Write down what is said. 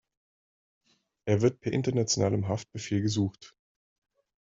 Er wird per internationalem Haftbefehl gesucht.